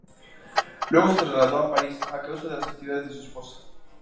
Luego se trasladó a París, a causa de las actividades de su esposa.